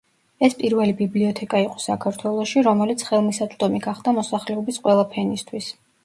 ეს პირველი ბიბლიოთეკა იყო საქართველოში, რომელიც ხელმისაწვდომი გახდა მოსახლეობის ყველა ფენისთვის.